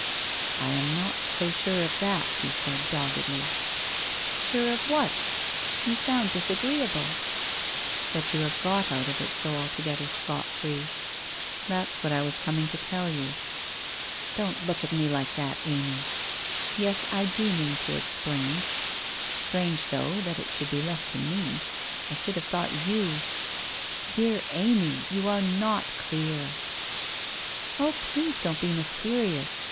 ' I am not so sure of that,' he said doggedly. ' Sure of what ? You sound disagreeable/ ' That you have got out of it go altogether scot free —■ WHITE ROSE OF WEARY LEAF 317 that's what I was coining to tell you. Don't look at me like that, Amy! Yes, I do mean to explain. Strange, though, that it should be left to me. I should have thought you Dear Amy, you are not clear ' 1 Oh, please don't be mysterious.